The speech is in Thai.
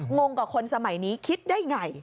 งงกับคนสมัยนี้คิดได้อย่างไร